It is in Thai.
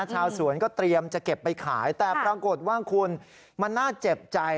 ชาวสวนก็เตรียมจะเก็บไปขายแต่ปรากฏว่าคุณมันน่าเจ็บใจ